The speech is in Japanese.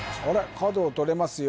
角をとれますよ